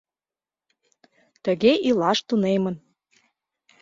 Тыге илаш тунемын.